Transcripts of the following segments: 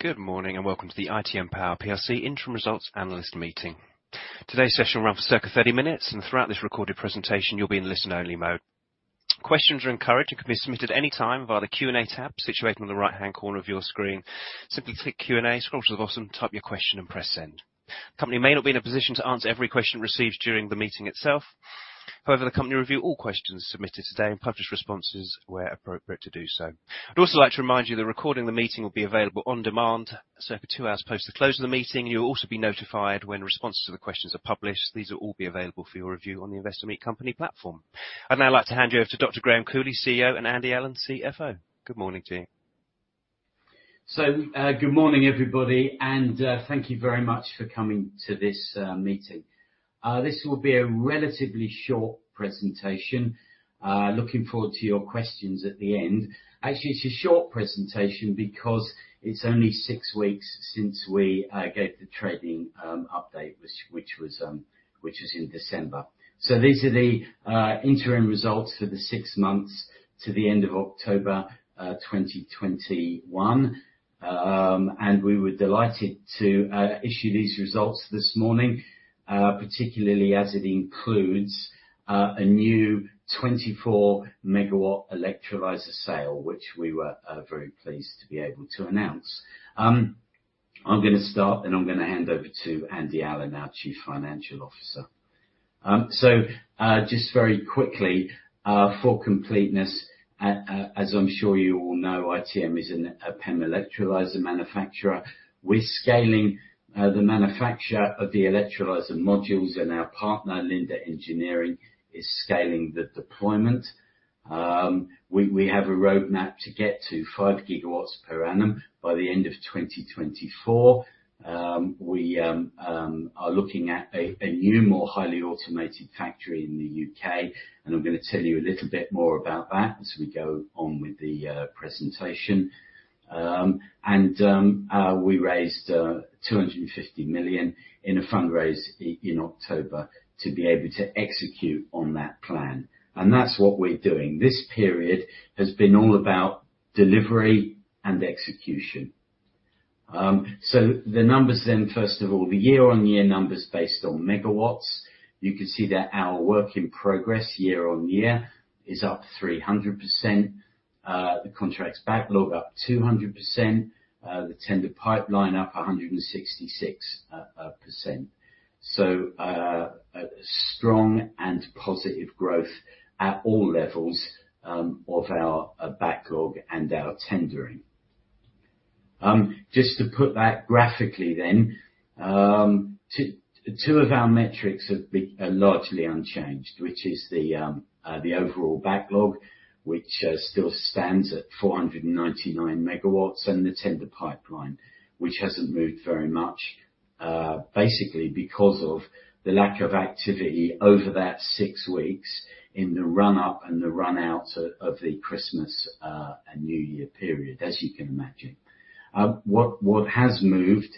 Good morning and welcome to the ITM Power plc Interim Results Analyst Meeting. Today's session will run for circa 30 minutes, and throughout this recorded presentation you'll be in listen only mode. Questions are encouraged and can be submitted anytime via the Q&A tab situated on the right-hand corner of your screen. Simply click Q&A, scroll to the bottom, type your question and press Send. The company may not be in a position to answer every question received during the meeting itself. However, the company will review all questions submitted today and publish responses where appropriate to do so. I'd also like to remind you that the recording of the meeting will be available on demand circa two hours post the close of the meeting. You'll also be notified when responses to the questions are published. These will all be available for your review on the Investor Meet Company platform. I'd now like to hand you over to Dr. Graham Cooley, CEO, and Andy Allen, CFO. Good morning to you. Good morning, everybody, and thank you very much for coming to this meeting. This will be a relatively short presentation. Looking forward to your questions at the end. Actually, it's a short presentation because it's only six weeks since we gave the trading update, which was in December. These are the interim results for the six months to the end of October 2021. And we were delighted to issue these results this morning, particularly as it includes a new 24 MW electrolyser sale, which we were very pleased to be able to announce. I'm gonna start, then I'm gonna hand over to Andy Allen, our Chief Financial Officer. So, just very quickly, for completeness, as I'm sure you all know, ITM is a PEM electrolyzer manufacturer. We're scaling the manufacture of the electrolyzer modules, and our partner, Linde Engineering, is scaling the deployment. We have a roadmap to get to 5 GW per annum by the end of 2024. We are looking at a new, more highly automated factory in the U.K., and I'm gonna tell you a little bit more about that as we go on with the presentation. We raised 250 million in a fundraise in October to be able to execute on that plan, and that's what we're doing. This period has been all about delivery and execution. The numbers, first of all, the year-on-year numbers based on megawatts. You can see that our work in progress year on year is up 300%. The contract's backlog up 200%. The tender pipeline up 166%. A strong and positive growth at all levels of our backlog and our tendering. Just to put that graphically then, two of our metrics are largely unchanged, which is the overall backlog, which still stands at 499 MW, and the tender pipeline, which hasn't moved very much, basically because of the lack of activity over that six weeks in the run up and the run out of the Christmas and New Year period, as you can imagine. What has moved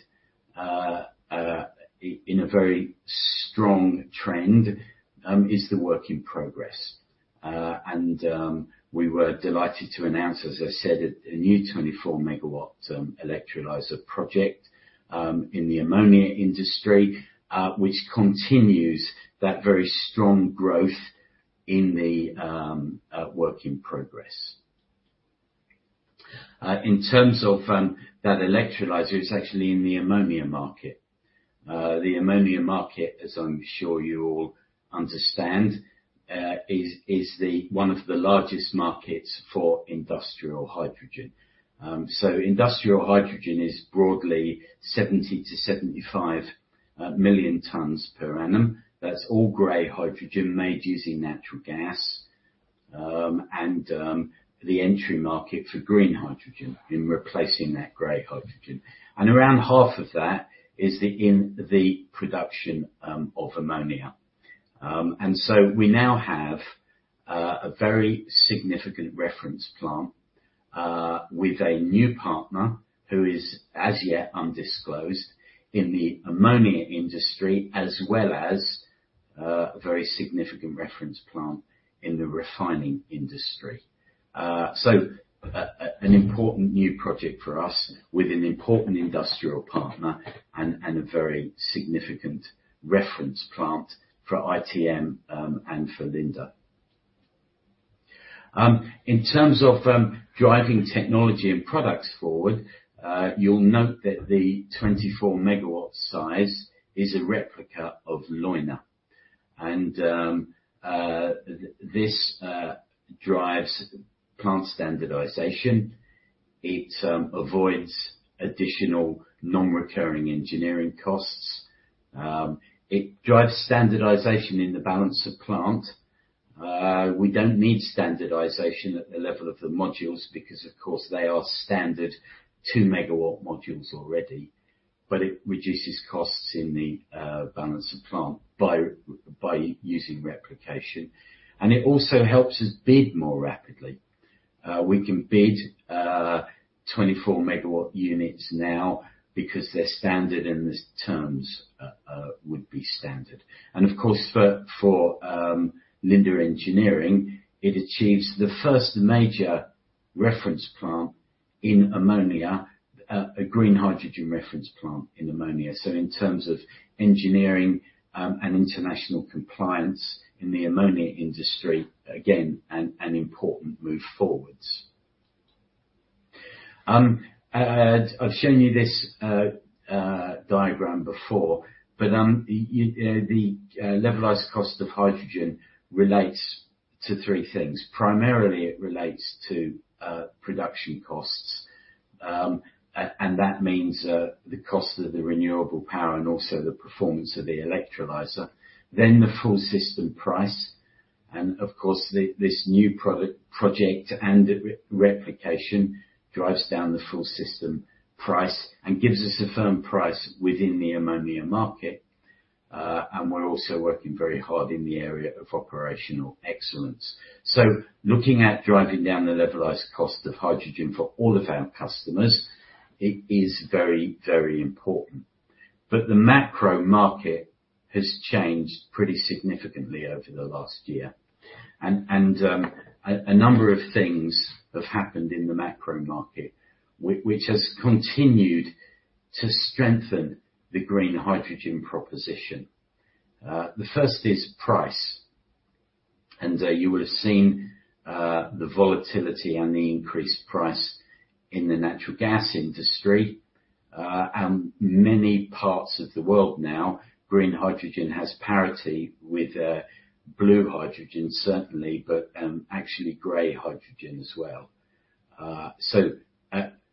in a very strong trend is the work in progress. We were delighted to announce, as I said, a new 24 MW electrolyzer project in the ammonia industry, which continues that very strong growth in the work in progress. In terms of that electrolyzer, it's actually in the ammonia market. The ammonia market, as I'm sure you all understand, is one of the largest markets for industrial hydrogen. Industrial hydrogen is broadly 70-75 million tons per annum. That's all grey hydrogen made using natural gas, the entry market for green hydrogen in replacing that grey hydrogen. Around half of that is in the production of ammonia. We now have a very significant reference plant with a new partner who is as yet undisclosed in the ammonia industry, as well as a very significant reference plant in the refining industry. An important new project for us with an important industrial partner and a very significant reference plant for ITM and for Linde. In terms of driving technology and products forward, you'll note that the 24 MW size is a replica of Leuna. This drives plant standardization. It avoids additional non-recurring engineering costs. It drives standardization in the balance of plant. We don't need standardization at the level of the modules because of course they are standard 2 MW modules already. It reduces costs in the balance of plant by using replication. It also helps us bid more rapidly. We can bid 24 MW units now because they're standard and the terms would be standard. Of course, for Linde Engineering, it achieves the first major reference plant in ammonia, a green hydrogen reference plant in ammonia. In terms of engineering and international compliance in the ammonia industry, again, an important move forward. I've shown you this diagram before, but you know, the levelized cost of hydrogen relates to three things. Primarily, it relates to production costs. That means the cost of the renewable power and also the performance of the electrolyzer. The full system price, and of course, this new project and the replication drives down the full system price and gives us a firm price within the ammonia market. We're also working very hard in the area of operational excellence. Looking at driving down the levelized cost of hydrogen for all of our customers, it is very, very important. The macro market has changed pretty significantly over the last year. A number of things have happened in the macro market which has continued to strengthen the green hydrogen proposition. The first is price. You will have seen the volatility and the increased price in the natural gas industry. Many parts of the world now, green hydrogen has parity with blue hydrogen, certainly, but actually grey hydrogen as well.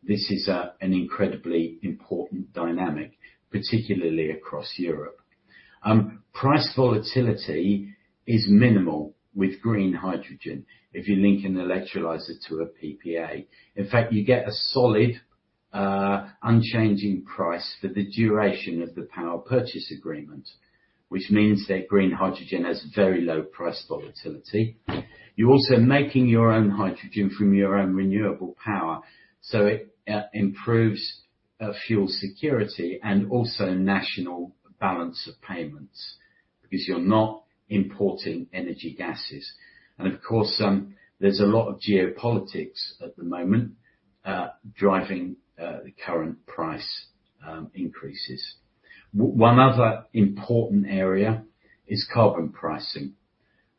This is an incredibly important dynamic, particularly across Europe. Price volatility is minimal with green hydrogen if you link an electrolyzer to a PPA. In fact, you get a solid unchanging price for the duration of the power purchase agreement, which means that green hydrogen has very low price volatility. You're also making your own hydrogen from your own renewable power, so it improves fuel security and also national balance of payments because you're not importing energy gases. Of course, there's a lot of geopolitics at the moment driving the current price increases. One other important area is carbon pricing.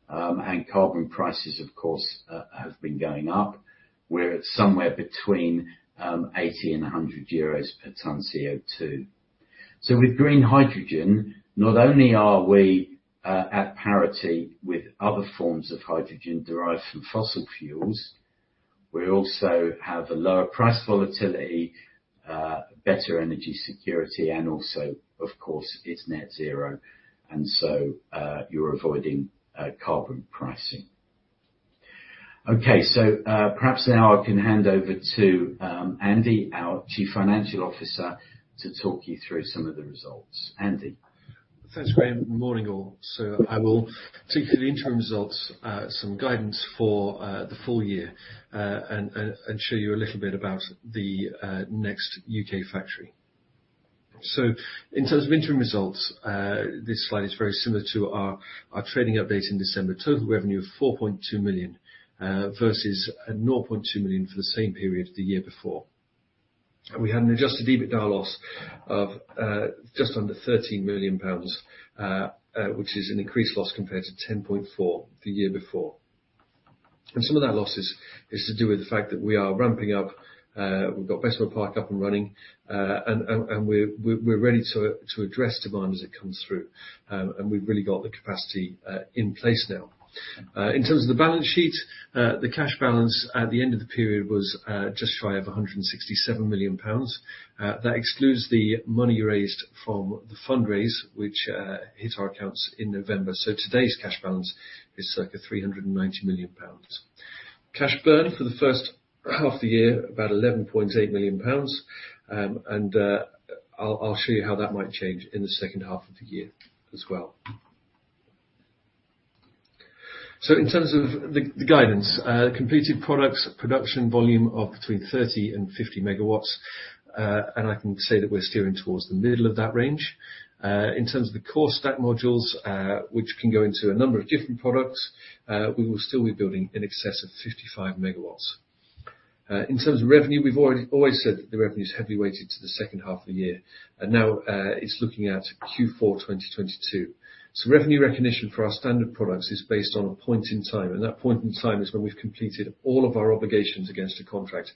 Carbon prices, of course, have been going up. We're at somewhere between 80 and 100 euros per ton of CO2. With green hydrogen, not only are we at parity with other forms of hydrogen derived from fossil fuels, we also have a lower price volatility, better energy security, and also, of course, it's net zero, and so, you're avoiding carbon pricing. Okay. Perhaps now I can hand over to Andy Allen, our Chief Financial Officer, to talk you through some of the results. Andy? Thanks, Graham. Morning, all. I will take you through the interim results, some guidance for the full year, and show you a little bit about the next U.K. factory. In terms of interim results, this slide is very similar to our trading update in December. Total revenue of 4.2 million versus 0.2 million for the same period the year before. We had an adjusted EBITDA loss of just under 13 million pounds, which is an increased loss compared to 10.4 million the year before. Some of that loss is to do with the fact that we are ramping up. We've got Bessemer Park up and running, and we're ready to address demand as it comes through. We've really got the capacity in place now. In terms of the balance sheet, the cash balance at the end of the period was just shy of 167 million pounds. That excludes the money raised from the fundraise, which hit our accounts in November. Today's cash balance is circa 390 million pounds. Cash burn for the first half of the year, about 11.8 million pounds, and I'll show you how that might change in the second half of the year as well. In terms of the guidance, completed products production volume of between 30-50 MW, and I can say that we're steering towards the middle of that range. In terms of the core stack modules, which can go into a number of different products, we will still be building in excess of 55 MW. In terms of revenue, we've always said that the revenue is heavily weighted to the second half of the year, and now it's looking at Q4 2022. Revenue recognition for our standard products is based on a point in time, and that point in time is when we've completed all of our obligations against a contract,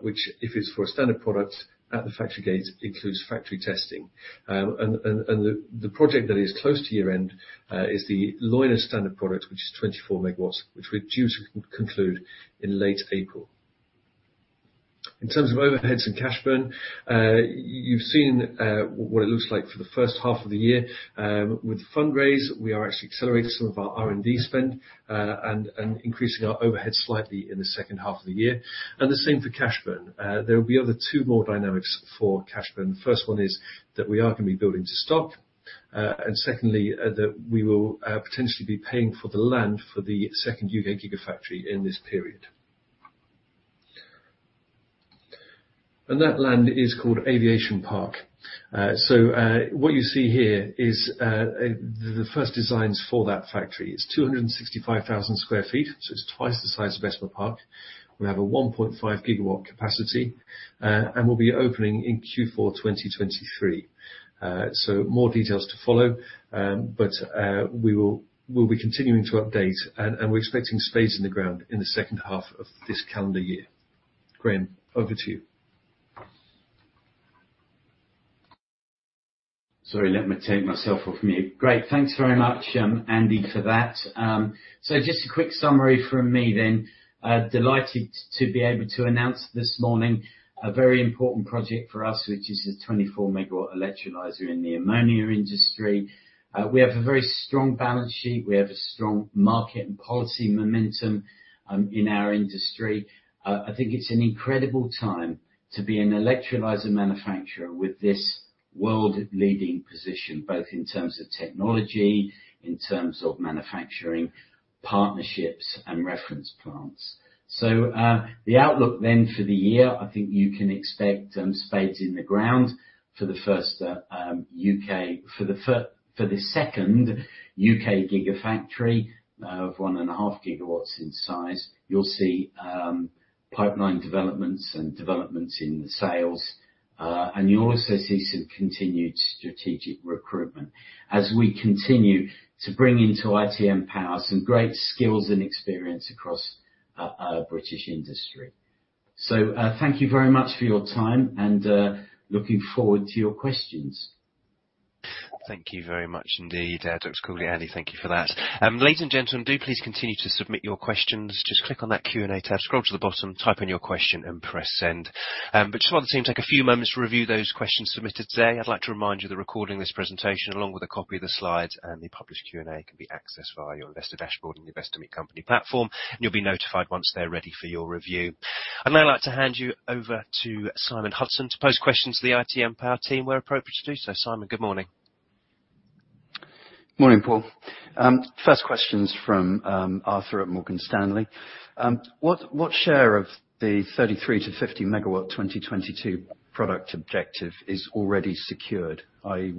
which, if it's for a standard product, at the factory gate includes factory testing. The project that is close to year-end is the Leuna standard product, which is 24 MW, which we're due to conclude in late April. In terms of overheads and cash burn, you've seen what it looks like for the first half of the year. With the fundraise, we are actually accelerating some of our R&D spend and increasing our overheads slightly in the second half of the year. The same for cash burn. There will be other two more dynamics for cash burn. The first one is that we are gonna be building to stock, and secondly, that we will potentially be paying for the land for the second U.K. Gigafactory in this period. That land is called Aviation Park. So what you see here is the first designs for that factory. It's 265,000 sq ft, so it's twice the size of Bessemer Park. We have a 1.5 GW capacity, and we'll be opening in Q4 2023. More details to follow. We'll be continuing to update and we're expecting spades in the ground in the second half of this calendar year. Graham, over to you. Sorry, let me take myself off mute. Great. Thanks very much, Andy, for that. Just a quick summary from me then. Delighted to be able to announce this morning a very important project for us, which is the 24 MW electrolyzer in the ammonia industry. We have a very strong balance sheet. We have a strong market and policy momentum in our industry. I think it's an incredible time to be an electrolyzer manufacturer with this world-leading position, both in terms of technology, in terms of manufacturing, partnerships, and reference plants. The outlook then for the year, I think you can expect spades in the ground for the second U.K. gigafactory of 1.5 GW in size. You'll see pipeline developments and developments in the sales, and you'll also see some continued strategic recruitment as we continue to bring into ITM Power some great skills and experience across British industry. Thank you very much for your time, and looking forward to your questions. Thank you very much indeed, Dr. Cooley. Andy, thank you for that. Ladies and gentlemen, do please continue to submit your questions. Just click on that Q&A tab, scroll to the bottom, type in your question, and press send. Just while the team take a few moments to review those questions submitted today, I'd like to remind you the recording of this presentation, along with a copy of the slides and the published Q&A, can be accessed via your investor dashboard on your Investor Meet Company platform. You'll be notified once they're ready for your review. I'd now like to hand you over to Simon Bourne to pose questions to the ITM Power team where appropriate to do so. Simon, good morning. Morning, Paul. First question's from Arthur at Morgan Stanley. What share of the 33-50 MW 2022 product objective is already secured, i.e.,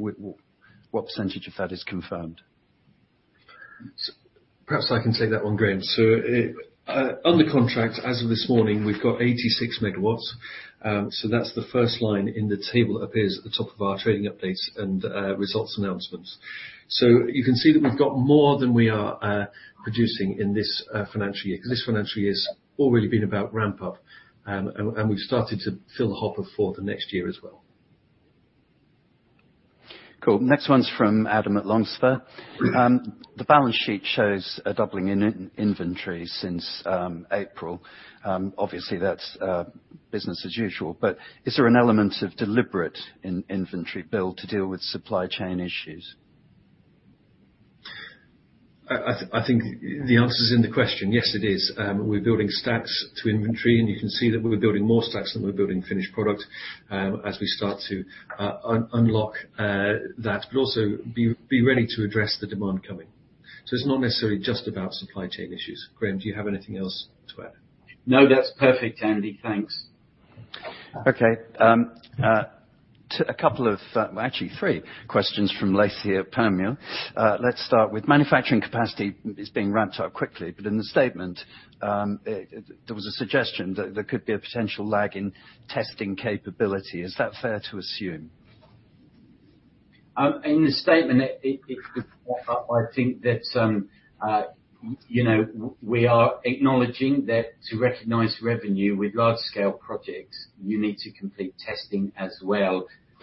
what percentage of that is confirmed? Perhaps I can take that one, Graham. Under contract, as of this morning, we've got 86 MW. That's the first line in the table that appears at the top of our trading updates and results announcements. You can see that we've got more than we are producing in this financial year, because this financial year's already been about ramp up. And we've started to fill the hopper for the next year as well. Cool. Next one's from Adam at Longspur. The balance sheet shows a doubling in inventory since April. Obviously, that's business as usual, but is there an element of deliberate inventory build to deal with supply chain issues? I think the answer is in the question. Yes, it is. We're building stacks to inventory, and you can see that we're building more stacks than we're building finished product, as we start to unlock that, but also be ready to address the demand coming. It's not necessarily just about supply chain issues. Graham, do you have anything else to add? No, that's perfect, Andy. Thanks. Okay. A couple of, well, actually three questions from Lacey at Permian. Let's start with manufacturing capacity is being ramped up quickly, but in the statement, there was a suggestion that there could be a potential lag in testing capability. Is that fair to assume?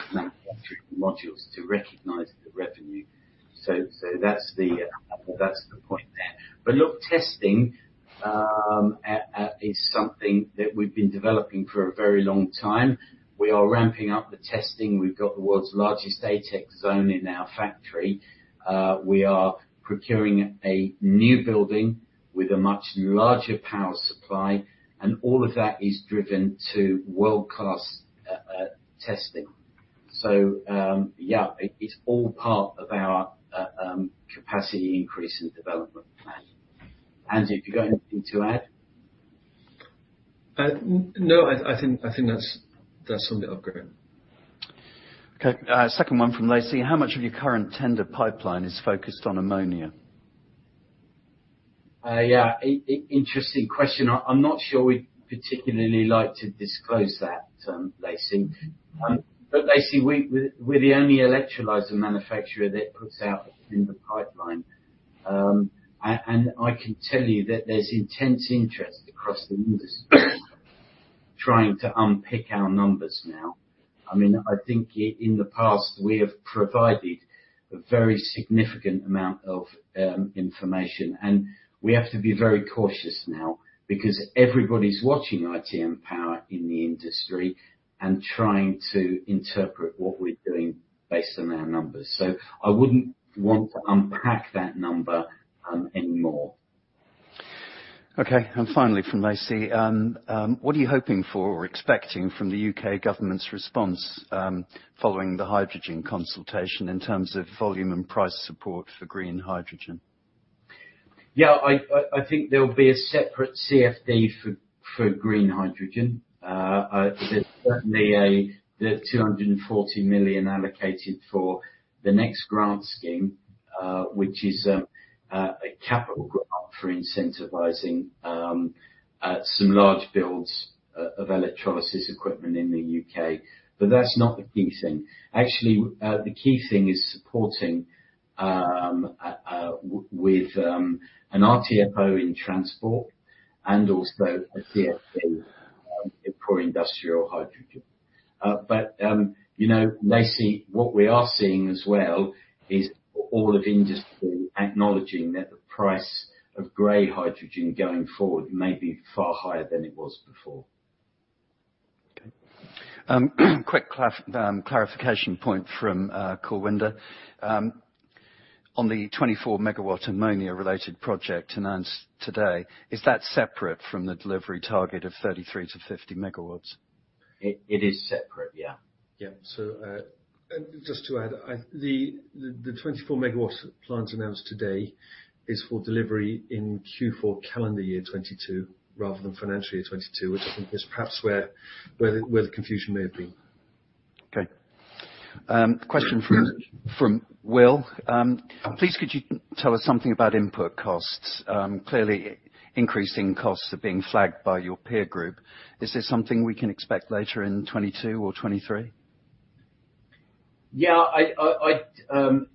They're trying to unpick our numbers now. I mean, I think in the past, we have provided a very significant amount of information, and we have to be very cautious now because everybody's watching ITM Power in the industry and trying to interpret what we're doing based on our numbers. I wouldn't want to unpack that number anymore. Okay. Finally, from Lacey. What are you hoping for or expecting from the U.K. government's response, following the hydrogen consultation in terms of volume and price support for green hydrogen? Yeah. I think there will be a separate CFD for green hydrogen. There's certainly the 240 million allocated for the next grant scheme, which is a capital grant for incentivizing some large builds of electrolyser equipment in the U.K. That's not the key thing. Actually, the key thing is supporting with an RTFO in transport and also a CFD for industrial hydrogen. You know, Lacey, what we are seeing as well is all of industry acknowledging that the price of grey hydrogen going forward may be far higher than it was before. Quick clarification point from Gurwinder. On the 24 MW ammonia related project announced today, is that separate from the delivery target of 33-50 MW? It is separate, yeah. Yeah, just to add. The 24 MW plant announced today is for delivery in Q4 calendar year 2022, rather than financial year 2022, which I think is perhaps where the confusion may have been. Okay. Question from Yeah. from Will. Mm-hmm. Please could you tell us something about input costs? Clearly increasing costs are being flagged by your peer group. Is this something we can expect later in 2022 or 2023? Yeah,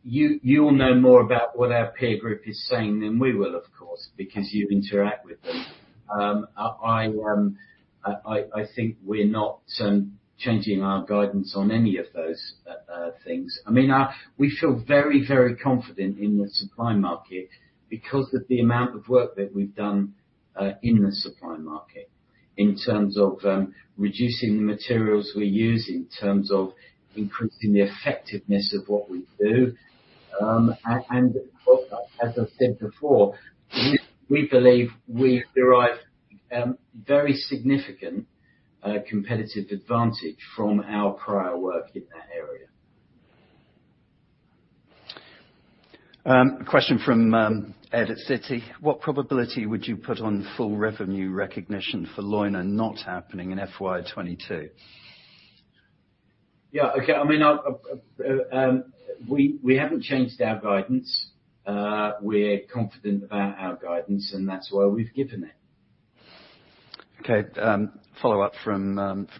you will know more about what our peer group is saying than we will, of course, because you interact with them. I think we're not changing our guidance on any of those things. I mean, we feel very, very confident in the supply market because of the amount of work that we've done in the supply market, in terms of reducing the materials we use, in terms of increasing the effectiveness of what we do. As I said before, we believe we derive very significant competitive advantage from our prior work in that area. A question from Ed at Citi. What probability would you put on full revenue recognition for Leuna not happening in FY 2022? Yeah. Okay. I mean, we haven't changed our guidance. We're confident about our guidance and that's why we've given it. Okay. Follow up from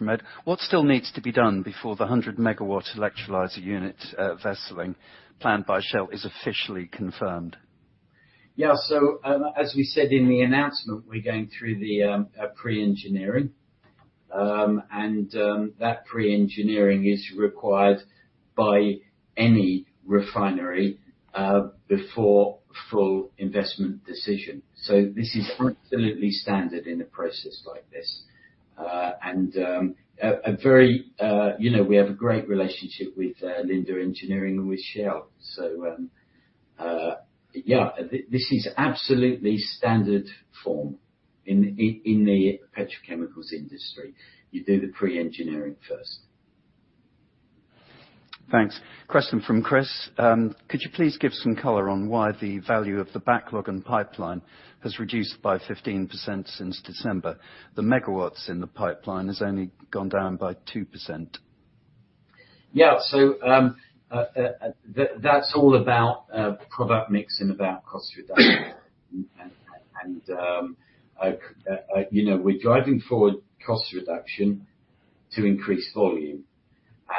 Ed. What still needs to be done before the 100 MW electrolyzer unit, Wesseling planned by Shell is officially confirmed? Yeah, as we said in the announcement, we're going through the pre-engineering. That pre-engineering is required by any refinery before full investment decision. This is absolutely standard in a process like this. You know, we have a great relationship with Linde Engineering and with Shell. This is absolutely standard form in the petrochemicals industry. You do the pre-engineering first. Thanks. Question from Chris. Could you please give some color on why the value of the backlog and pipeline has reduced by 15% since December? The megawatts in the pipeline has only gone down by 2%. Yeah. That's all about product mix and about cost reduction. You know, we're driving forward cost reduction to increase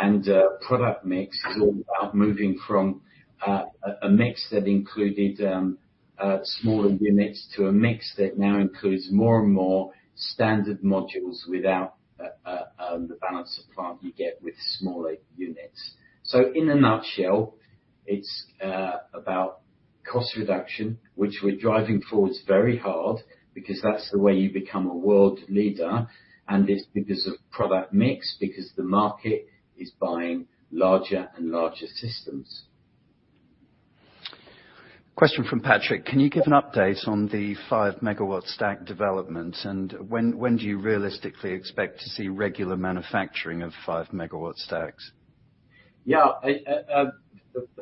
volume. Product mix is all about moving from a mix that included smaller units to a mix that now includes more and more standard modules without the balance of plant you get with smaller units. In a nutshell, it's about cost reduction, which we're driving forward very hard because that's the way you become a world leader. It's because of product mix, because the market is buying larger and larger systems. Question from Patrick. Can you give an update on the 5 MW stack development and when do you realistically expect to see regular manufacturing of 5 MW stacks? The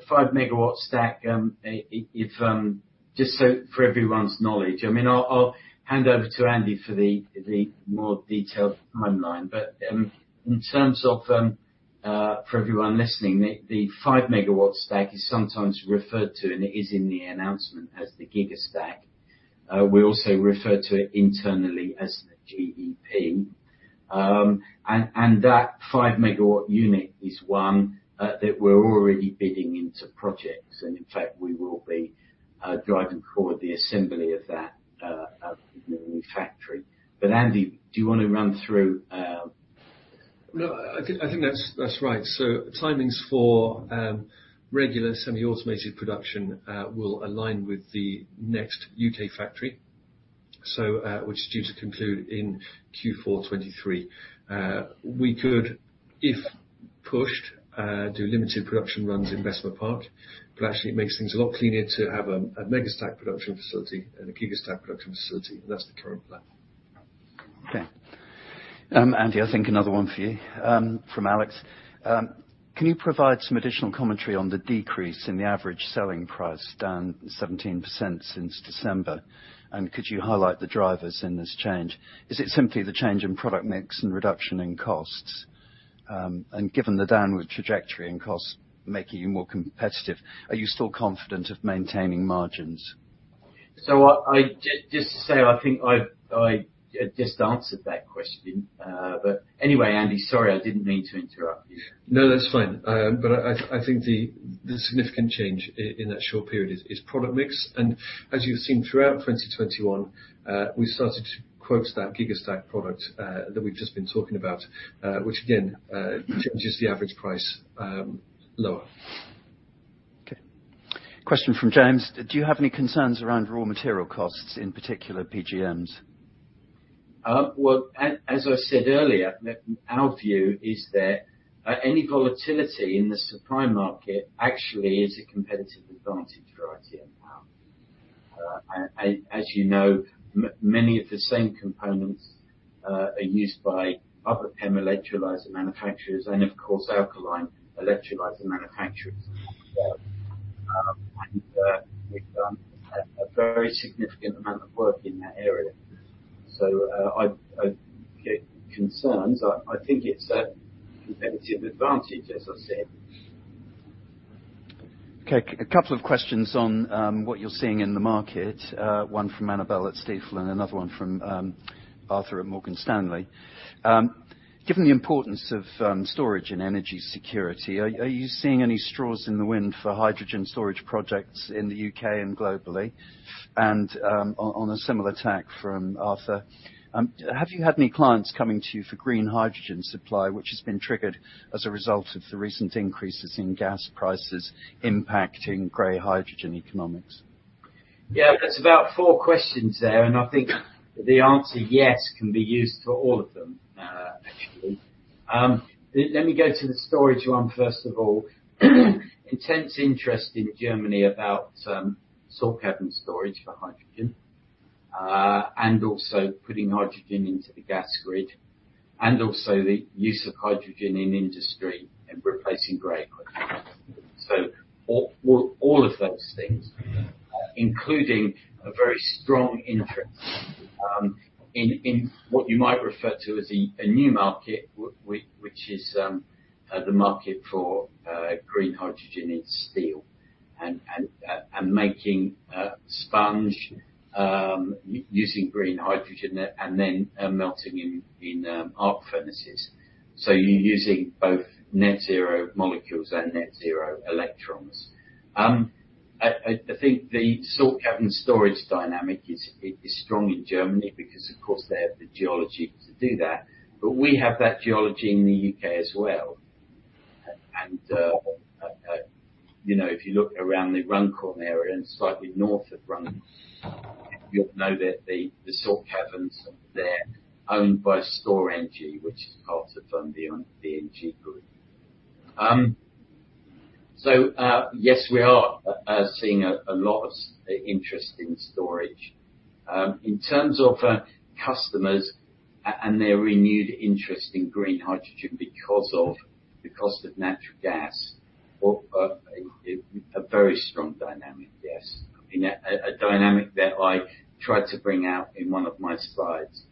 5 MW stack, if just so for everyone's knowledge, I mean, I'll hand over to Andy for the more detailed timeline. In terms of, for everyone listening, the 5 MW stack is sometimes referred to, and it is in the announcement as the Gigastack. We also refer to it internally as the GEP. That 5 MW unit is one that we're already bidding into projects. In fact, we will be driving forward the assembly of that in the new factory. Andy, do you wanna run through No, I think that's right. Timings for regular semi-automated production will align with the next U.K. factory, which is due to conclude in Q4 2023. We could if pushed do limited production runs in Bessemer Park, but actually it makes things a lot cleaner to have a MegaStack production facility and a Gigastack production facility. That's the current plan. Okay. Andy, I think another one for you, from Alex. Can you provide some additional commentary on the decrease in the average selling price down 17% since December? Could you highlight the drivers in this change? Is it simply the change in product mix and reduction in costs? Given the downward trajectory in costs making you more competitive, are you still confident of maintaining margins? I just to say, I think I just answered that question. Anyway, Andy, sorry, I didn't mean to interrupt you. No, that's fine. I think the significant change in that short period is product mix. As you've seen throughout 2021, we started to quote that Gigastack product, that we've just been talking about, which again, changes the average price, lower. Okay. Question from James: Do you have any concerns around raw material costs, in particular PGMs? Well, as I said earlier, our view is that any volatility in the supply market actually is a competitive advantage for ITM Power. As you know, many of the same components are used by other PEM electrolyzer manufacturers and of course, alkaline electrolyzer manufacturers. We've done a very significant amount of work in that area. I get concerns. I think it's a competitive advantage, as I said. Okay. A couple of questions on what you're seeing in the market, one from Annabel at Stifel and another one from Arthur at Morgan Stanley. Given the importance of storage and energy security, are you seeing any straws in the wind for hydrogen storage projects in the U.K. and globally? On a similar tack from Arthur, have you had any clients coming to you for green hydrogen supply, which has been triggered as a result of the recent increases in gas prices impacting grey hydrogen economics? Yeah. That's about four questions there, and I think the answer yes can be used for all of them, actually. Let me go to the storage one first of all. Intense interest in Germany about salt cavern storage for hydrogen, and also putting hydrogen into the gas grid, and also the use of hydrogen in industry and replacing grey quickly. So all of those things, including a very strong interest in what you might refer to as a new market which is the market for green hydrogen in steel and making sponge using green hydrogen and then melting in arc furnaces. So you're using both net zero molecules and net zero electrons. I think the salt cavern storage dynamic is strong in Germany because of course they have the geology to do that. We have that geology in the U.K. as well. You know, if you look around the Runcorn area and slightly north of Runcorn, you'll know that the salt caverns there owned by Storengy, which is part of ENGIE group. Yes, we are seeing a lot of interest in storage. In terms of customers and their renewed interest in green hydrogen because of the cost of natural gas, a very strong dynamic, yes. I mean, a dynamic that I tried to bring out in one of my slides.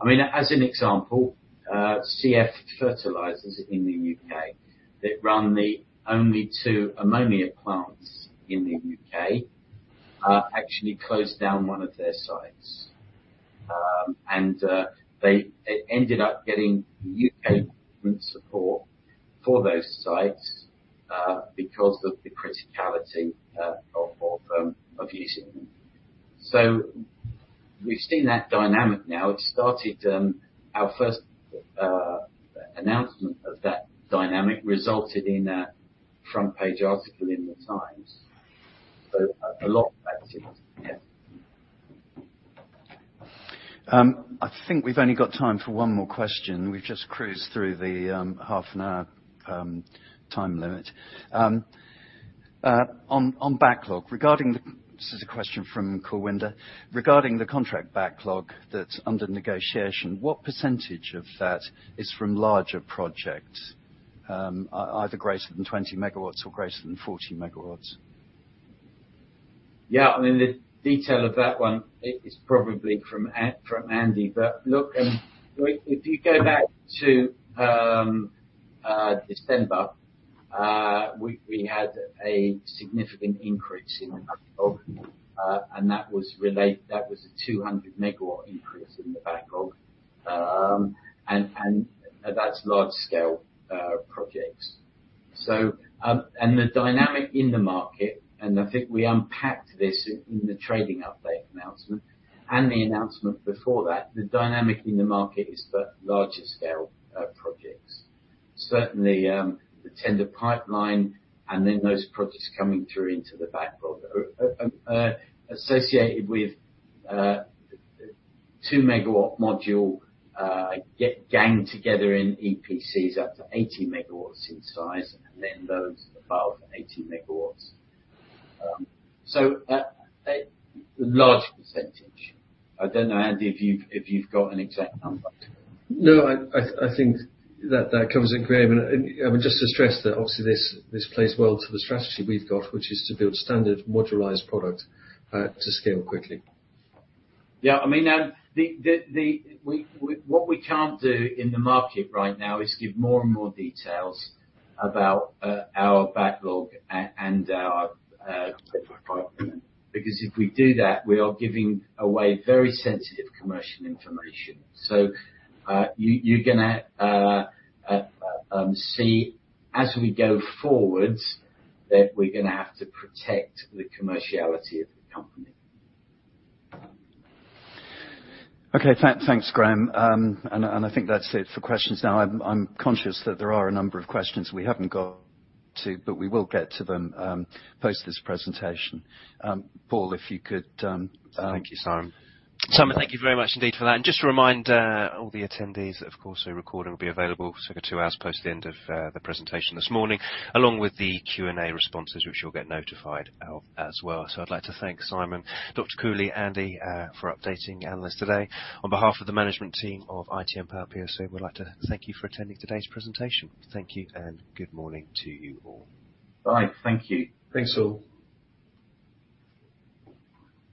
I mean, as an example, CF Fertilizers in the U.K. that run the only two ammonia plants in the U.K., actually closed down one of their sites. And they ended up getting U.K. government support for those sites, because of the criticality of using them. We've seen that dynamic now. It started our first announcement of that dynamic resulted in a front-page article in The Times. A lot of activity, yes. I think we've only got time for one more question. We've just cruised through the half an hour time limit. This is a question from Gurwinder. Regarding the contract backlog that's under negotiation, what percentage of that is from larger projects, either greater than 20 MW or greater than 40 MW? Yeah. I mean, the detail of that one is probably for Andy. Look, if you go back to December, we had a significant increase in the backlog, and that was a 200 MW increase in the backlog. That's large scale projects. The dynamic in the market, and I think we unpacked this in the trading update announcement and the announcement before that, the dynamic in the market is for larger scale projects. Certainly, the tender pipeline and then those projects coming through into the backlog associated with 2 MW module get ganged together in EPCs up to 80 MW in size and then those above 80 MW. A large percentage. I don't know, Andy, if you've got an exact number. No, I think that covers it, Graham. I would just like to stress that obviously this plays well to the strategy we've got, which is to build standard modularized product to scale quickly. Yeah. I mean, what we can't do in the market right now is give more and more details about our backlog, because if we do that, we are giving away very sensitive commercial information. You're gonna see as we go forward that we're gonna have to protect the commerciality of the company. Okay. Thanks, Graham. And I think that's it for questions now. I'm conscious that there are a number of questions we haven't got to, but we will get to them post this presentation. Paul, if you could, Thank you, Simon. Simon, thank you very much indeed for that. Just to remind all the attendees, of course, a recording will be available for two hours post the end of the presentation this morning, along with the Q&A responses, which you'll get notified of as well. I'd like to thank Simon, Dr. Cooley, Andy for updating analysts today. On behalf of the management team of ITM Power plc, we'd like to thank you for attending today's presentation. Thank you and good morning to you all. Bye. Thank you. Thanks all.